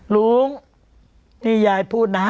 ลุงที่ยายพูดนะ